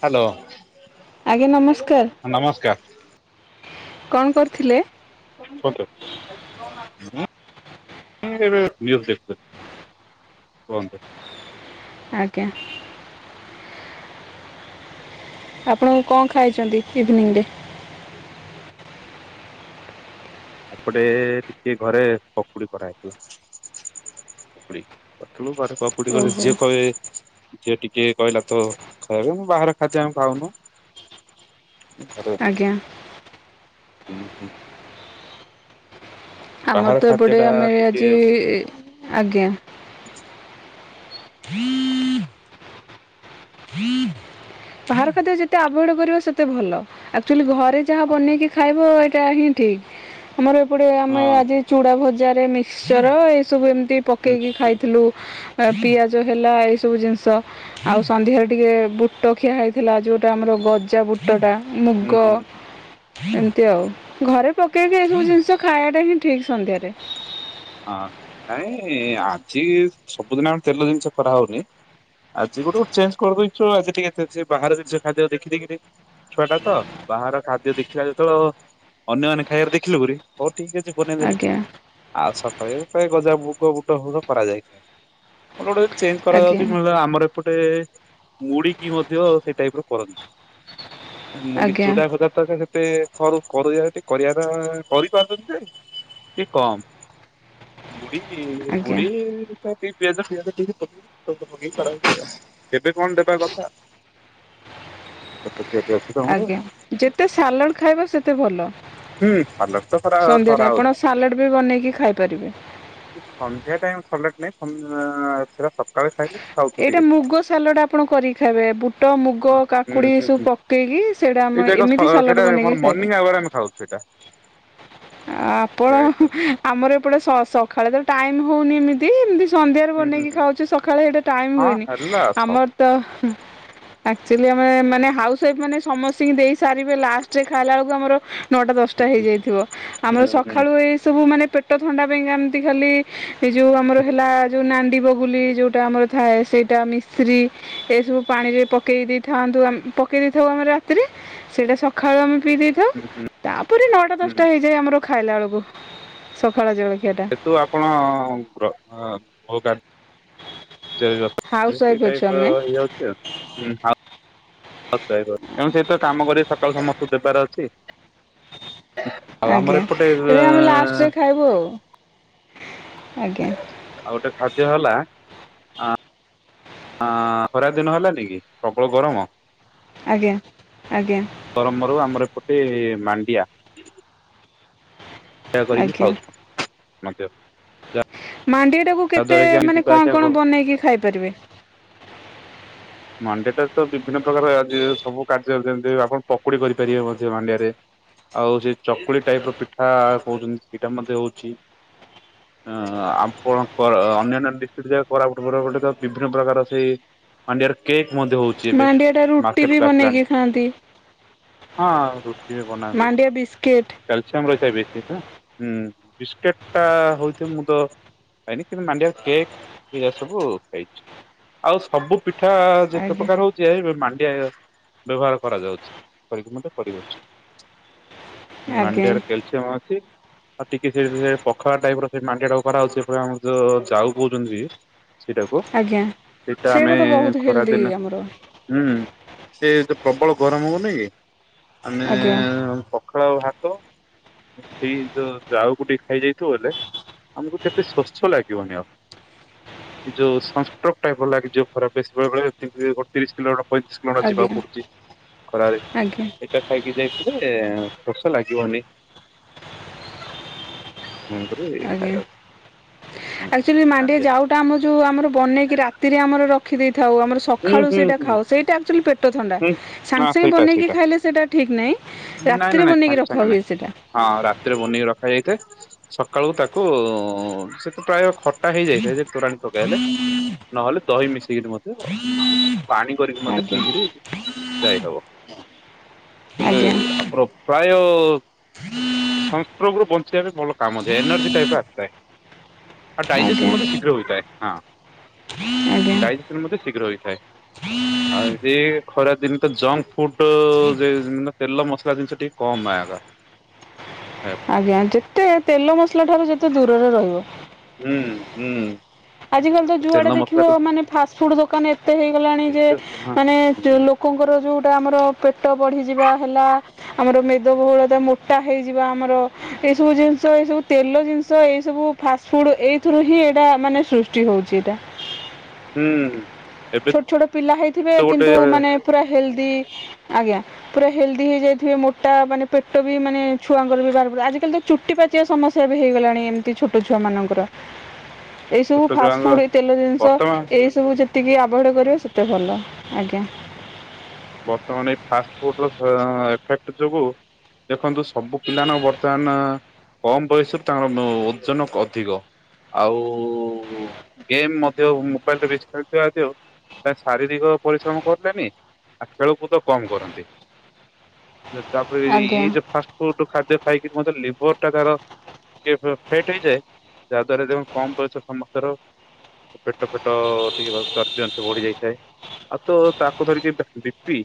Hello. ଆଜ୍ଞା ନମସ୍କାର [inaudible] ନମସ୍କାର। କ'ଣ କରୁଥିଲେ ଓକେ [inaudible] [unintelligible] କୁହନ୍ତୁ। ଆଜ୍ଞା। ଆପଣକୁ କଁ ଖାଇଚନ୍ତି ଇଭିନିଂରେ? ଏପଟେ ଟିକେ ଘରେ ପକୁଡି କରାହେଇଥିଲା ପକୁଡି କରିଥିଲୁ ଘରେ ପୁଡି ଗଲେ ଓହୋ ଯିଏ କୟେ ଯିଏ ଟିକେ କହିଲା ତ ଖାଇବେ ମୁଁ ବାହାରେ ଖାଦ୍ୟ ଆମେ ଖାଉନୁ। ଘରେ ଆଜ୍ଞା ହୁଁ ହୁଁ। ଆମର ବାହାର ତ ଖାଦ୍ୟ ଏପଟେ ଟା ଆମେ ଟିକେ ଆଜି ଆଜ୍ଞା ବାହାର ଖାଦ୍ୟ ଯେତେ ଆଭଏଡ କରିବ ସେତେ ଭଲ ଆକ୍ଚୁଆଲି ଘରେ ଯାହା ହଁ ବନେଇକି ଖାଇବ ଏଇଟା ହିଁ ଠିକ? ଆମର ଏପଟେ ଆମେ ଆଜି ଚୁଡା ଭ ମିକସଚର ଏ ସବୁମ ହୁଁ ପକେଇକି ହୁଁ ହୁଁ ଖାଇଥିଲୁ ପିଆଜ ହେଲା ଏଇସବୁ ଜିନିଷ ଆଉ ସନ୍ଧ୍ୟାରେ ଟିକେ ବୁ ଟଖିଆ ହେଇଥିଲା ଯେଉଁଟା ଆମର ଗଜା ବୁଟଟା। ମୁଗ ହୁଁ ଏମିତି ଆଉ ଘରେ ପକେଇକି ଏସବୁ ଜିନିଷ ଖାଇବାାରେ ହିଁ ଠିକ୍ ସନ୍ଧ୍ୟାରେ ନ ଆଜି ସବୁଦିନ ଆମେ ତେଲ ଜିନିଷ ଖା ହଉନି ଆଜି ଗୋଟେ ଚେଞ୍ଜ କରିଦେଇଛୁ ଆଜି ଟିକେ ଏତେ ବାହାର ଜିନିଷ ଖାଦ୍ୟ ଦେଖିଦକିରି ଛୁଆ ଟା ତ ବାହାର ଖାଦ୍ୟ ଦେଖିଲେ ଯେତେବେଳେ ଅନ୍ୟମାନୋନେ ଖାଇବାରେ ଦେଖିଲୁ ବୋଲି ଠିକ୍ ଅଛି ବନେଇଦେଲୁ ଆଜ୍ଞା ଆଉ ସକାଳେ ପ୍ରାୟ ଗଜା ବୁଗ ବୁଟୁଡ କରାଯାଇଥାଏ ମୋ ଗୋଟେ ଚେଞ୍ଜ ଆଜ୍ଞା କରାଯାଉଛି ନହେଲେ ଆମର ଏପଟେ ମୁଡିିକି ମଧ୍ୟ ସେଇ ଟାଇପ ର କରନ୍ତି। ମୁଢ଼ି ଆଜ୍ଞା ଚୁଡା ଭଜ ତ ସେତେ କରୁ କରୁଚନ୍ତି ଟିକେ କରିବା କରିପାରୁଛନ୍ତି ଯେ କି କମ୍ ବଢୀଶହ ଆଜ୍ଞା ଦି ପିଆଜ େଇେଇ ଖ ଏବେ କଣ ଦେବା କଥା ଛୁଆଟେ ଅଛି ତମର ଆଜ୍ଞା ଯେତେ ସାଲାଣ ଖାଇବ ସେତ ଏତେ ଭଲ ହୁଁ ସାଲାଡ୍ ତ କରା ସନ୍ଧ୍ୟାରେ କରା ହଉଛି। ଆପଣ ସାଲାଡ଼ ବି ବନେଇକି ଖାଇପାରିବେ ସନ୍ଧ୍ୟା ଟାଇମ ସଲେଟ ନାଇଁ ଥିଲା ସକାଳେ ସାଇଲେ ଏଇଟା ମୁଗ ସାଲଡ ଆପଣ କରିକି ବେ ବୁଟ ଟ ମୁଗ କାକୁଡି ହୁଁ ସବୁ ହୁଁ ପକେଇକି ସେଟା ଏଇ ଆମ ଯାକ ସ ଏମି ସାଲ ସେଇଟା ମୋର ବନେଇକି ଖାଇ ମର୍ଣ୍ଣିଂ ଆୱାର ଆମେ ଖାଉଛୁ ସେଇଟା ଆପଣ ସେ ଆଇଟମ ଆମର ଏପଟେ ସଳେ ହନ ଏମି ଦେ ଏମ ସନ୍ଧ୍ୟାରେ ହୁଁ ହୁଁ ବନେଇକି ହୁଁ। ଖାଉଛି ସକାଳେ ସେଇଟା ଟାଇମ ହଁ ହୁଏନି ହେଲା ସବୁ ଆମର ତ ଆଚୁଆଲି ଆମେ ମାନେ ହାଉସ ୱାଇଫ୍ ମାନେ ସମସ୍ତଙ୍କୁ ଦେଇ ସାରିବେ ଲାଷ୍ଟରେ ଖାଇଲା ବେଳକୁ ଆମର ନଅଟା ଦଶଟା ହୁଁ ହୁଁ ହେଇଯାଇଥିବ। ହୁଁ ଆମର ହୁଁ ସକାଳୁ ଏଇ ସବୁ ମାନେ ପେଟ ଥଣ୍ଡା ପାଇଁକା ଏମିତି ଖାଲି ଏଇ ଯୋଉ ଆମର ହେଲା ଯୋଉ ନାଣ୍ଡି ବଗ୍ ବୁଲି ଯୋଉଟା ଆମର ଥାଏ ସେଇଟା ମିସ୍ରି ଏସବୁ ପାଣିରେ ପକେଇ ଦେଇଥାନ୍ତୁ ଆମ୍ ପକେଇ ଦେଇଥାଉ ଆମେ ରାତିରେ ସେଇଟା ସକାଳୁ ଆମେ ପି ଦେଇଥାଉ ତାପରେ ନଅଟା ଦଶଟା ହୁଁ ହେଇଯାଏ ଆମର ଖାଇଲା ବେଳକୁ ସକାଳ ଜଳ ସେଠୁ ଆପଣ-ଅଁ-ଙ୍କର-ଆ ହୋଉ କାଟ [unintelligible] ହାଉସ୍ ୱାଇଫ୍ ଅଛୁ ଆମେ ହେଇଯାଉଛି ଆଉ ହଁ [unintelligible] ଏଣୁ ସେଇତ କାମ କରି ସକାଳୁ ସମସ୍ତ ଦେବାର ଅ ଠିକ୍। ଆଜ୍ଞା ଦିଦି ଆମେ ଲାଷ୍ଟରେ ଖାଇବୁ ଆଉ। ଆଜ୍ଞା। ଆଉ ଗୋଟେ ଖାଦ୍ୟ ହେଲା ଆ ଆଁ-ଖରା ଦିନ ହେଲାନିକି ପ୍ରବଳ ଗରମ। ଆଜ୍ଞା ଆଜ୍ଞା ପରମରୁ ଆମର ଏପଟେ ମାଣ୍ଡିଆ। ସେୟା କରିକି ଆଜ୍ଞା ଖାଉଛୁ। [unintelligible] ଯା। ମାଣ୍ଡିଆଟାକୁ କେତେ ମାନେ କଣ କଣ ବନେଇକି ଖାଇପାରିବେ? ମାଣ୍ଡିଆଟା ତ ବିଭିନ୍ନ ପ୍ରକାର ଆଜି ସବୁ କାର୍ଯ୍ୟରେ ଯେମିତି ଆପଣ ପକୁଡି କରିପାରିବେ ମଧ୍ୟ ମାଣ୍ଡିଆରେ ଆଉ ସେ ଚକୁଳି ଟାଇପର ପିଠା କହୁଛନ୍ତି ସେଇଟା ମଧ୍ୟ ହଉଛି। ଏଁ-ଆ କଣ କର ଅନ୍ୟାନ୍ୟ ଡିଷ୍ଟିକ୍ଟ ଯା-କୋରାପୁଟ ଫୋରପୁଟ ତ ବିଭିନ୍ନ ପ୍ରକାର ସେଇ ମାଣ୍ଡିଆର କେକ୍ ମଧ୍ୟ ହଉଛି ଏବେ ମାଣ୍ଡିଆଟା ରୁଟି ବି ମାର୍କେଟକୁ ଆସିଲାଣି। ବନେଇକି ଖାଆନ୍ତି ହଁ ରୁଟି ବି ବନାନ୍ତି। ମାଣ୍ଡିଆ ବିସ୍କିଟ୍ କ୍ୟାଲସିୟମ ରହିଥାଏ ବି ସେଇଟା। ହୁଁ ବିସ୍କିଟ୍ ଟା ହଉଛି ତେ ମୁଁ ତ ଖାଇନି କିନ୍ତୁ ମାଣ୍ଡିଆ କେକ୍ ଏଇରା ସବୁ ଖାଇଚି ଆଉ ସବୁ ପି ପିଠା ଯେତେ ଆଜ୍ଞା ପ୍ରକାର ହଉଚି ଏ ଇ ମାନ୍- ଏ ଆଇ ର ବ୍ୟବହାର କରାଯାଉଚି କରିକି ମଧ୍ୟ କରିହଉଚି। ଆଜ୍ଞା ମାଣ୍ଡିଆର କ୍ୟାଲସୀୟମ ଅଛି। ଆଉ ଟିକେ ଟିକେ ସେ ପଖାଳ ଟାଇପ୍ ର ସେ ମାଣ୍ଡିଆଟାକୁ କରାହଉଚି ଏପଟେ ଆମର ଯୋ ଯାଉ କହୁଚନ୍ତି ବି ସେଇଟାକୁ ଆଜ୍ଞା ସେଇଟା ଆମେ ତ ବହୁତ ହେଲ୍ଦି ଖରାଦିନ ଆମର ହୁଁ ସେ ଯୋଉ ପ୍ରବଳ ଗରମ ହଉନି କି? ଆମେ ଆଜ୍ଞା ଏ ପ ପଖାଳ ଭାତ ସେଇ ଯୋଉ ଜାଉକୁ ଟିକେ ଖାଇଯାଇଥିବ ବଲେ ଆମକୁ ସେ ଏତେ ଶୋଷ ଲାଗିବନି ଆଉ ଏ ଯୋଉ ସଂସ୍ଟ୍ରୋଗ ଟାଇପର ଲାଗେ ଯୋଉ ଖରା ବେଶି ବେଳେ ବେଳେ ତି ତି ଗୋଟେ ତିରିଶ କିଲୋ ପଇଁତିରିଶି କିଲୋମିଟର ଆଜ୍ଞା ଯିବାକୁ ପଡୁଚି ଖରାରେ ଆଜ୍ଞା ଏଇଟା ଖାଇକି ଯାଇଥିଲେ ଶୋସ ଲାଗିବନି। ତେଣୁ କରି ଖାଇବାକୁ। ହୁଁ। ଆକଚୁଲି ମାଣ୍ଡିଆ ଆଜ୍ଞା ଯାଉଟା ଆମେ ଯୋଉ ଆମର ବନେଇକି ରାତିରେ ଆମର ରଖିଦେଇ ଥାଉ ଆମର ହୁଁ ସଖାଳୁ ହୁଁ ସେଇଟା ହୁଁ। ଖାଉ ସେଇଟା ଆକଚୁଲି ପେଟ ଥଣ୍ଡା ହୁଁ ହଁ ସାଙ୍ଗେ ସାଙ୍ଗେ ସେଇଟା ବନେଇକି ସେଇଟା ଖାଇଲେ ସେଇଟା ଠିକ ନାହିଁ ନାଇଁ ନାଇଁ ରାତିରେ ନାଇଁ ବନେଇକି ସାଙ୍ଗେ ରଖା ସାଙ୍ଗେ ହୁଏ ନାଇଁ ସେଇଟା। ହଁ ରାତିରେ ବନେଇକି ରଖାଯାଇଥାଏ। ସକାଳୁ ତାକୁ ସେତ ପ୍ରାୟ ଖ ଖଟା ହେଇଯାଇଥାଏ ଯେ ତୋରାଣୀ ପକାଇଲେ ନହେଲେ ଦହି ମିଶେଇିକିରି ମଧ୍ୟ ପାଣି କରିକି ମଧ୍ୟ ଆଜ୍ଞା ପିକିରି ଯାଇ ହବ। ହେଲେ ଆଜ୍ଞା ଆମର ପ୍ରାୟ ସନ୍ ଷ୍ଟ୍ରୋକ୍ ରୁ ବଞ୍ଚିବା ପାଇଁ ଭଲ କାମ ଦିଏ ଏନର୍ଜି ଟାଇପ୍ ର ଆସିଥାଏ। ଆଉ ଡାଇଜେସନ ଆଜ୍ଞା ମଧ୍ୟ ଶୀଘ୍ର ହୋଇଥାଏ, ହଁ ଆଜ୍ଞା ଡାଇଜେସନ ମଧ୍ୟ ଶୀଘ୍ର ହୋଇ ଥାଏ। ଆଉ ଦି ଖରା ଦିନ ତ ଜଙ୍କ ଫୁଡ ଯେ ତେଲ ମସଲା ଜିନିଷ ଟିକେ କମ୍ ଆର। ଆଜ୍ଞା, ଯେତେ ତେଲ ମସଲା ଠାରୁ ଯେତେ ଦୂରରେ ରହିବ। ହୁଁ ହୁଁ। ଆଜିକାଲି ତ ତେଲ ଯୁଆଡ଼େ ଦେଖିବ ମସଲା ଟି ମାନେ ଫାଷ୍ଟଫୁଡ଼୍ ଦୋକାନ ଏତେ ହେଇଗଲାଣି ଯେ ସେଇତ ହଁ ମାନେ ହୁଁ ଲୋକଙ୍କର ଯୋଉ ଟା ଆମର ପେଟ ବଢିଯିବା ହେଲା, ଆମର ମେଦବହୁଳତା ମୋଟା ହେଇଯିବା ଆମର ଏଇ ସବୁ ଜିନିଷ ଏ ସବୁ ତେଲ ଜିନିଷ ଏଇ ସବୁ ଫାଷ୍ଟଫୁଡ ଏଇଥିରୁ ହିଁ ଏଇଟା ମାନେ ସୃଷ୍ଟି ହେଉଛି ଏଇଟା। ହୁଁ। ଏବେ ଛୋଟ ଛୋଟ ପିଲା ହେଇଥିବେ ତ ଗୋଟେ କିନ୍ତୁ ମାନେ ପୁରା ହେଲଦି ଆଜ୍ଞା ପୁରା ହେଲ୍ଦି ହେଇଯାଇଥିବେ ମୋଟା ମାନେ ପେଟ ବି ମାନେ ଛୁଆଙ୍କର ବି ବାହାର ଆଜି କାଲି ତ ଚୁଟି ପାଚିବା ସମସ୍ୟା ବି ହେଇଗଲାଣି ଏମତି ଛୋଟ ଛୁଆ ମାନଙ୍କର। ଏଇ ସବୁ ଛୋଟ ଫାଷ୍ଟ ଛୁଆଙ୍କ ଫୁଡ ଏ ତେଲ ଜିନିଷ ବର୍ତ୍ତମାନ ଏଇ ସବୁ ଯେତେ ଯେତିକି ଅଭଏଡ୍ କରିବ ସେତେ ଭଲ ଆଜ୍ଞା। ବର୍ତ୍ତମାନ ଏଇ ଫାଷ୍ଟ ଫୁଡ ର ଏଫେକ୍ଟ ଯୋଗୁ ଦେଖନ୍ତୁ ସବୁ ପିଲାମାନ ବର୍ତ୍ତମାନ କମ ବୟସରୁ ତାଙ୍କର ଓଜନ ଅଧିକ ଆଉ ଗେମ୍ ମଧ୍ୟ ମୋବାଇଲରେ ବେଶୀ ଖେଳୁଥିବା ରୁ ଶାରୀରିକ ପରିଶ୍ରମ କରିଲେନି ଆଉ ଖେଳକୁଦ କମ କରନ୍ତି। ତାପରେ ଆଜ୍ଞା ଏଇ ଯଉ ଫାଷ୍ଟ ଫୁଡ ଖାଦ୍ୟ ଖାଇକି ଲିଭର ଟା ତାର ଟିକେ ଫେଟ ହେଇଯାଏ ଯାହା ଦ୍ଵାରା କମ ବୟସରେ ସମସ୍ତେର ପେଟ ଫେଟ ଟିକେ ଚ ଅଂଶ ବଢି ଯାଇଥାଏ। ଆଉ ତ ତାକୁ ଧରିକି ବିପି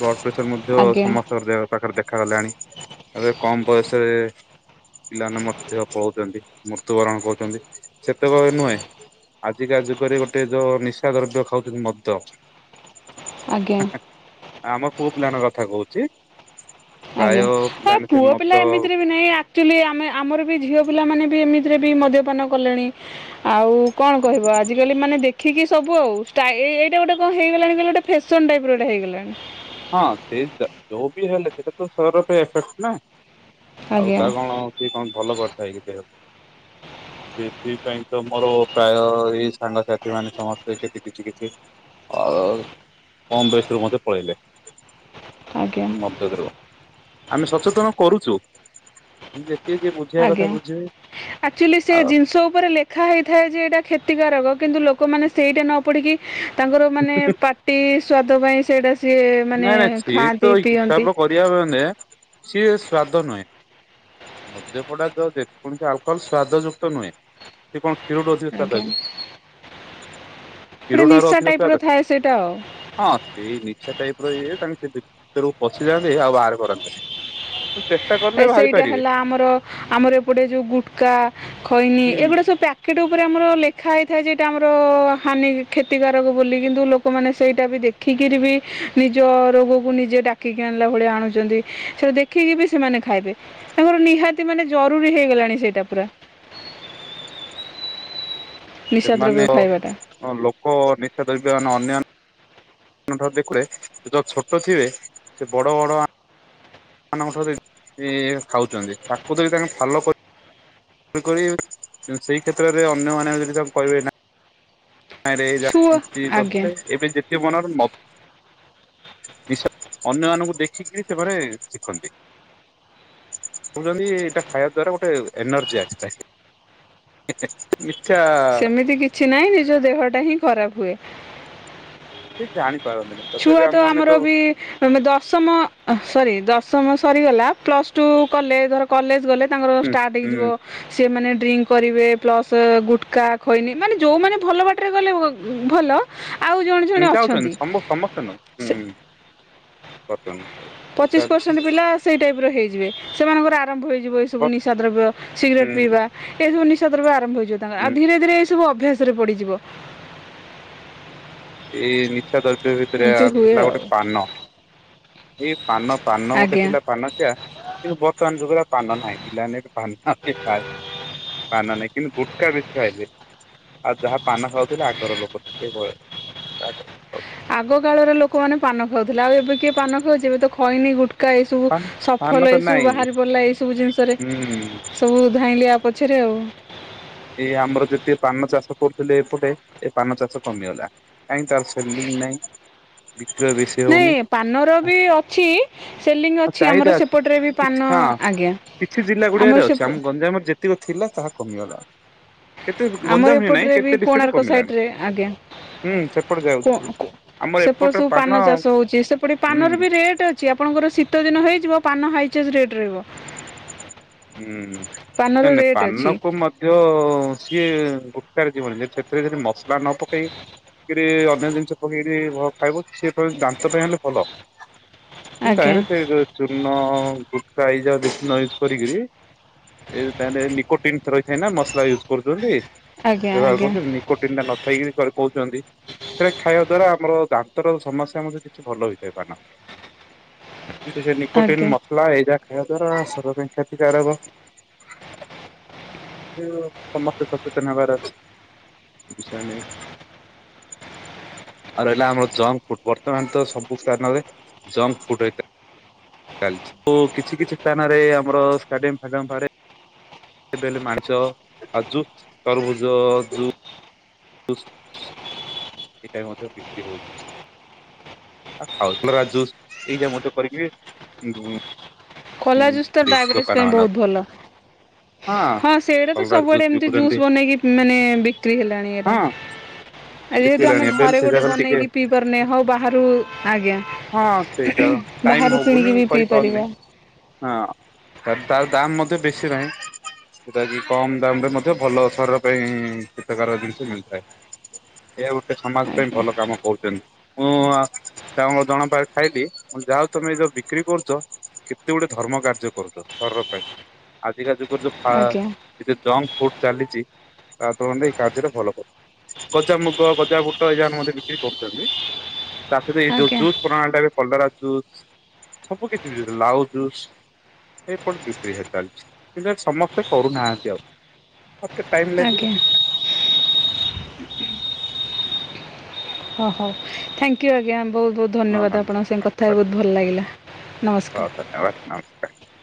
ବ ସର ମଧ୍ୟ ଆଜ୍ଞା ସମସ୍ତଙ୍କର ଦେହପାଖରେ ଦେଖାଗଲାଣି। କମ ବୟସରେ ପିଲାମାନେ ମୁତ୍ୟ ପଉଛନ୍ତି ମୃତ୍ୟୁବରଣ କରୁଛନ୍ତି। ସେତେବେଳେ ନୁହେଁ ଆଜିକା ଯୁଗରେ ଗୋଟେ ଯଉଁ ନିଶା ଦ୍ରବ୍ୟ ଖାଉଛନ୍ତି ମଧ୍ୟ। ଆଜ୍ଞା ହେଁ ହେଁ ଆମ ପୁ ପିଲାଙ୍କ କଥା କହୁଛି ପ୍ରାୟ ଆଜ୍ଞା। ଏ ପିଲାମାନେ ସେ ପୁଅ ମଦ ପିଲା ଏମିତିରେ ବି ନାଇ ଆକ୍ଚୁଆଲି ଆମେ ଆମର ବି ଝିଅ ପିଲାମାନେ ବି ଏମିତି ରେ ବି ମଦ୍ୟପାନ କଲେଣି ଆଉ କଣ କହିବ ଆଜିକାଲି ମାନେ ଦେଖ ଆଖିକି ସବୁ ଆଉ ଷ୍ଟାଇ ଏଇ ଏଇ ଗୋଟେ କଣ ହେଇଗଲାଣି ଗୋଟେ ଫ୍ୟାସନ୍ ଟାଇପ ର ଗୋଟେ ହେଇଗଲାଣି। ହଁ ସେ ତା ଯୋଉ ବି ହେଲେ ବି ସେଟା ତ ସୋ ର ଗୋଟେ ଇଫେକ୍ଟ ନା। ଆଉ ଆଜ୍ଞା ତା କଣ ସିଏ କଣ ଭଲ କରିଥାଏ କି ଦେହ। ସେଥିପାଇଁ ତ ମୋର ପ୍ରାୟ ଏଇ ସାଙ୍ଗସାଥି ମାନେ ସମସ୍ତେ ସେଠ କିଛି କିଛି ଅ କମ ବେଶି ରୁ ମଧ୍ୟ ପଳେଇଲେ। ଆଜ୍ଞା ନି ମଦଦରୁ ଆମେ ସଚେତନ କରୁଛୁ ଯେ ଆଜ୍ଞା ଆଚୁଆଲି ସେ ଆଉ ଜିନିଷ ଉପରେ ଲେଖା ହେଇଥାଏ ଯେ ଏଇଟା କ୍ଷତିକାରକ କିନ୍ତୁ ଲୋ ମାନେ ସେଇଟା ନ ପଡ଼ିକି ତାଙ୍କର ମାନେ ପାଟି ସ୍ୱା ତାଙ୍କ ପାଇଁ ସେଇଟା ସ ନାଇଁ ନାଇଁ ସିଏ ତ ହିସାବ କରିବା ମନେ ସିଏ ସ୍ଵାଦ ନୁହେଁ। ମଦ୍ୟ ପଡକ୍ଟ ଯେକୌଣସି ଆଲକୋହଲ ସ୍ଵାଦ ଯୁକ୍ତ ନୁହେଁ। ସେ କଣ ଖିରଠୁ ଅଧିକା ସ୍ୱାଦ ଆଜ୍ଞା କି? କ୍ଷୀର ଗୋଟେ ଠାରୁ ନିଶା ଅଧିକ ଟାଇପ ସ୍ଵାଦ ର ଥାଏ ସେଇଟା ଆଉ। ହଁ ସେଇ ନିଶା ଟାଇପ ଇଏ ତାଙ୍କ ଭି ଭିତରକୁ ପଶିଯାଆନ୍ତି ଆଉ ବାହାର କରନ୍ତିନି। ଚେଷ୍ଟା କଲେ ବାହାରି ସେଇଟା ପାରିବେ ହେଲା ଆମର ଆମର ଏପଟେ ଯୋଉ ଗୁଟକା, ଖଇନୀ ହୁଁ ଏଗୁଡା ସବୁ ପ୍ୟାକେଟ ଉପରେ ଆମର ଲେଖା ଖାଇ ଖାଇ ଯେ ଆମର ହାନି କ୍ଷତିକାରକ ବୋଲି କିନ୍ତୁ ଲୋକମାନେ ସେଇଟା ବି ଦେଖିକିରି ବି ନିଜ ରୋଗକୁ ନିଜେ ଡାକିକି ଆଣିଲା ଭଳିଆ ଆଣୁଛନ୍ତି, ସେଇଟା ଦେଖିକି ବି ସେମାନେ ଖାଇବେ ତାଙ୍କର ନିହାତି ମାନେ ଜରୁରୀ ହେଇଗଲାଣି ସେଇଟା ପୁରା। ନିଶା ଦ୍ରବ୍ୟ ସେମାନେ ଖାଇବାଟା ଅ ଲୋକ ନିଶା ଦ୍ରବ୍ୟ ଅନାନ୍ୟ [unintelligible] ଯୋଉ ଛୋଟ ଥିବେ ସେ ବଡ ବଡ ମାନଙ୍କଠାରୁ [unintelligible] ଖାଉଛନ୍ତି ତାକୁ ଯଦି ତାଙ୍କେ ଭଲ କରି ତେଣୁ କରି ସେଇ କ୍ଷେତ୍ରରେ ଅନ୍ୟମାନେ ଯଦି ତାକୁ କହିବେ ନା ନାଇରେ ଛୁଆ ଏମିତି ଆଜ୍ଞା କରିଥିଲେ ଏବେ ଯେତେ ମନର ମ ନିଶା ଅନ୍ୟ ମାନଙ୍କୁ ଦେଖିକିରି ସେମାନେ ଶିଖନ୍ତି କହୁଛନ୍ତି ଏଇଟା ଖାଇବା ଦ୍ଵାରା ଗୋଟେ ଏନର୍ଜି ଆସିଥାଏ ହେଁ ହେଁ। ସେମିତି କିଛି ନାହିଁ ନିଜ ଦେହ ଟା ହିଁ ଖରାପ ହୁଏ। ସେ ଜାଣି ଛୁଆ ତ ଆମର ବି ଦଶମ ସରି ଦଶମ ସରିଗଲା ପ୍ଲସ୍ ଟୁ କଲେ ଧର କଲେଜ ଗଲେ ତାଙ୍କର ଷ୍ଟାର୍ଟ ହେଇଯିବ ସେମାନେ ଡ୍ରିଙ୍କ କରିବେ ପ୍ଲସ ଗୁଟକା ଖଇନି ମାନେ ଯୋଉମାନେ ଭଲ ବାଟରେ ଗଲେ ଏ ଭଲ। ଆଉ ଜଣେ ଜଣେ ଅଛନ୍ତି ତା ତେନ ଉଁ। ପଚିଶ ପରସେଣ୍ଟ ପିଲା ସେଇ ଟାଇପର ହେଇ ଯିବେ ସେମାନଙ୍କର ଆ ରମ୍ଭଇିବ ଏ ସବୁ ନିଶା ଦ୍ରବ୍ୟ ସିଗରେଟ ହୁଁ ପିଇବା ଏ ସବୁ ନି ଶା ଦ୍ରବ୍ୟ ଆ ଆରମ୍ଭ ହେଇଯିବ ତାଙ୍କ ହୁଁ ଆଉ ଧୀରେ ଧୀରେ ଏଇ ସବୁ ଅ ଭ୍ୟାସରେ ପଡିଯିବ। ଏଇ ନିଶା ଦର ତି ଭିତରେ ଆଉ ଥିଲା ଗୋଟେ ପାନ। ଏଇ ପାନ ପାନ ଗୋଟେ ଆଜ୍ଞା ଥିଲା ପାନଖିଆ କିନ୍ତୁ ବର୍ତ୍ତମାନ ଯୁଗରେ ଆଉ ପାନ ନାହିଁ। ପିଲାମାନେ ଏ ପାନ ଆଉ କେହି ଖାଉ ପାନ ନାହିଁ କିନ୍ତୁ ଗୋ କା ବେଶୀ ଖାଇଲେ। ଆଉ ଯାହା ପାନ ଖାଉଥୁଲେ ଆଗର ଲୋକ ଟିକେ ବୟ ଆଗ ଅ ଆଗ କାଳରେ ଲୋକମାନେ ପାନ ଖାଉଥୁଲେ ଆଉ ଏବେ କିଏ ପାନ ଖାଉଚି? ଏବେ ତ ଖଇନି ଗୁଟ୍ କା ଏ ସବୁ ପାନ ପାନ ସଫଲ ତ ଏଇ ସବୁ ନାଇଁ ହୁଁ ବାହାରି ପଡିଲା ଏଇ ସବୁ ଜିନିଷରେ। ସବୁ ଧାଇଁଲେ ଆ ପଛରେ ଆଉ ଏଇ ଆମର ଯେତେ ପାନ ଚାଷ କରୁଥୁଲେ ଏପଟେ ଏ ପାନ ଚାଷ କମିଗଲା। କାହିଁ ତାର ସେଲିଙ୍ଗ ନାଇଁ‌। ନାଇଁ ପାନର ବି ଅଛି ସେଲିଙ୍ଗ ଅଛି ଚାହିଦା ଆମର ସେପଟରେ ବି କିଛି ପାନ ହଁ ଆଜ୍ଞା ଆମର ସେପ ତିବ ଥିଲା ତାହା କମିଗଲା। କେତେ ଆମର ଗଞ୍ଜାମ ହିଁ ନାହିଁ ଏପଟରେ ବି କେତେ ଡିଷ୍ଟ୍ରିକ୍ଟରେ କୋଣାର୍କ କମିଲାଣି ସାଇଟରେ ଆଜ୍ଞା ହୁଁ ସେପଟେ କୋ ଯାଉଛି କ ଆମର ସେପଟ ଏପଟର ସବୁ ପାନ ଚାଷ ହୋଉଚି ସେପଟ ହୁଁ ପାନର ବି ରେଟ୍ ଅଛି ଆପଣଙ୍କର ସି ତ ଦିନ ହେଇଯିବ ପାନ ହାଇଚେଜ ରେଟ୍ ରହିବ। ହୁଁ ପାନର ନାଇଁ ନାଇଁ ରେଟ୍ ଅଛି ପାନକୁ ମଧ୍ୟ ଇଏ ଗୁଟକାରେ ଯିବନି ଯେ ସେଥିରେ ଯଦି ମସ୍ ଲା ନ ପକେଇ କିରି ଅ ନ୍ୟ ଜିନିଷ ପକେଇ ଦେଇ ଭ ଖାଇବ ସେ ପୁରା ଦାନ୍ତ ପାଇଁ ହେଲେ ଭଲ। କିନ୍ତୁ ଆଜ୍ଞା ତାହିଁରେ ସେ ଯୋଉ ଚୂନ ଉଁ ଗୁଟକା ଏଇ ଯାଉ ଦେଖୁନ ୟୁଜ୍ କ ଟିଗିରି ଏ ଯୋଉ ତାହିଁରେ ନିକୋଟିନ୍ ଥ ରହିଥାଏ ନାଁ ମସଲା ୟୁଜ୍ କରୁଛନ୍ତି ଆଜ୍ଞା ବ୍ୟବହାର ଆଜ୍ଞା କରୁଚନ୍ତି ନିକୋଟିନ୍ ଟା ନଥାଇକିରି କର କୋହୁଚନ୍ତି। ସେଟା ଖାଇବା ଦ୍ଵାରା ଆମର ଦାନ୍ତର ସମସ୍ୟା ମଧ୍ୟ କିଛି ଭଲ ହେଇଥାଏ ପାନ। ବି ତ ସେଇ ନିକୋଟିନ୍ ଆଜ୍ଞା ମସଲା ଏଇରା ଖାଇବା ଦ୍ଵାରା ସ ପୁଅ କାଇଁ? କ୍ଷତିକାରକ। ଯେ ଓ ସମସ୍ତେ ସଚେତନ ହେବାର ଅଛି। ବିଷୟ ନେଇକି ତ ଆଉ ରହିଲା ଜଙ୍କ ଆମର ଜଙ୍କ ଫୁଡ୍ ବର୍ତ୍ତମାନ ତ ସବୁ ସ୍ଥାନରେ ଜଙ୍କ ଫୁଡ ଅଇକା ଚାଲଚି ଓ କିଛି କିଛି ସ୍ଥାନରେ ଆ ଆମର ଷ୍ଟାଡିୟମ ଫାଡିଅମ ପାରେ ଏ ବେଲ୍ ମାଣିସ ଆଉ ଜୁସ୍ ତରଭୁଜ ଜୁ ଜୁସ୍ ଏଟା ବି ମଧ୍ୟ ବିକ୍ରି ହଉଚି। ଆଉ ଖାଉତୁ ବାଲା ଜୁସ୍ ଏଇ ଯା ମତେ କରିକି ବେ ଉଁ କଲା ଜୁସ୍ ତ ଡାଇବେଟିସ୍ ପାଇଁ ବୋହୁତ ଭଲ। ହଁ ସେଇଟା ତ କଲରା ଜୁସ୍ ସବୁଆଡ଼େ ଏମତି ବିକୁଛନ୍ତି ଜୁସ୍ ବନେଇକି ମାନେ ବିକ୍ରି ହେଲାଣି ଏରା। ହଁ ଆଉ ଯେହେତୁ ଆମେ ବିକିଲାଣି ଏବେ ଘରେ ସେ ଗୋଟେ ଜାଗାରେ ଟିକେ ବନେଇକି ପିଇ ପାରୁନେ ହଉ ବାହାରୁ ଆଗି ହଁ ସେଇଟା ଟାଇମ କିଣିକି ହଉନି ବି ପିଇ କରିପାରୁନି। ପାରିବା ହଁ ତାରତାର ଦାମ ମଧ୍ୟ ବେଶୀ ନାହିଁ ଜଉଟା କି କମ ଦାମ ରେ ମଧ୍ୟ ଭଲ ଶରୀର ପାଇଁ ହୀତକାରକ ଜିନିଷ ମିଳିଥାଏ ଏହା ଗୋଟେ ସମାଜ ପାଇଁ ଆଜ୍ଞା ଭଲ କାମ କରୁଛନ୍ତି। ତାଙ୍କର ଜଣକ ପାଖରେ ଖାଇଲି ଯା ହଉ ତମେ ଏଯୋଉ ବିକ୍ରି କରୁଛ କେତେ ଗୋଟେ ଧର୍ମ କାର୍ଯ୍ୟ କରୁଛ ଶରୀର ପାଇଁ ଆଜିକା ଯୁଗ ଆଜ୍ଞା [unintelligible] ଜଙ୍କଫୁଡ ଚାଲିଛି ତା ତୁଳନାରେ ଏଇ କାର୍ଯ୍ୟଟି ଭଲ କରୁଛ ଗଜା ମୁଗ ଗଜାବୁଟ ଏଇଜାକରେ ମଧ୍ୟ କିଏ କରୁଛନ୍ତି? ତା ସହିତ ଏ ଯଉ ଆଜ୍ଞା ଜୁସ୍ ପ୍ରଣାଳୀ ଟାରେ କଲରା ଜୁସ୍ ସବୁ କିଛି ବି ଲାଉ ଜୁସ୍ ଏଇପଟ ବିକ୍ରି ହେଇ ଚାଲିଛି। କିନ୍ତୁ ଏ ସମସ୍ତେ କରୁନାହାନ୍ତି ଆଉ। ମୋତେ ଟାଇମ୍ ଲାଗିବ। ଆଜ୍ଞା ହୋ ହଉ ଥ୍ୟାଙ୍କ ୟୁ ଆଜ୍ଞା। ବହୁତ ବହୁତ ଧନ୍ୟବାଦ ଆପଣଙ୍କ ସାଙ୍ଗେ କଥା ହେଇକି ବହୁତ ଭଲ ଲାଗିଲା। ହଁ ଧନ୍ୟବାଦ ନମସ୍କାର।